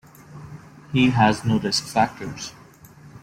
He has no risk factors.